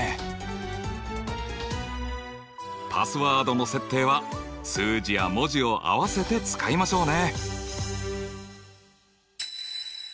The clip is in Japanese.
パスワードの設定は数字や文字を合わせて使いましょうね。